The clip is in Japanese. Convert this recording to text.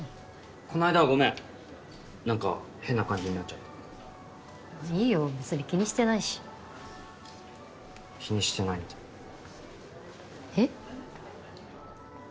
この間はごめん何か変な感じになっちゃっていいよ別に気にしてないし気にしてないんだえっ？